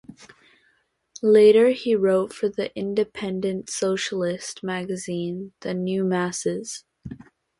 Later he wrote for the independent socialist magazine "The New Masses".